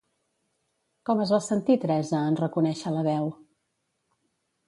Com es va sentir Teresa en reconèixer la veu?